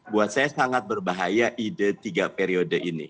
buat saya sangat berbahaya ide tiga periode ini